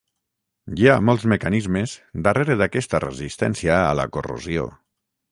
Hi ha molts mecanismes darrere d'aquesta resistència a la corrosió.